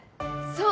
そう！